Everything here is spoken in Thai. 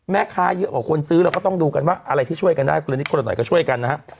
แม่ค้าเยอะกว่าคนซื้อเราก็ต้องดูกันว่าอะไรที่ช่วยกันได้คนละนิดคนละหน่อยก็ช่วยกันนะฮะ